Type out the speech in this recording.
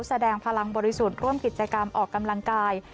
แสดงพลังบริสุทธิ์ร่วมกิจกรรมออกกำลังกาย